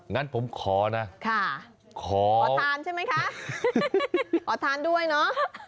งั้นผมขอนะค่ะขอทานใช่ไหมคะขอทานด้วยเนอะ